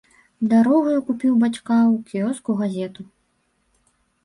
Дарогаю купіў бацька ў кіёску газету.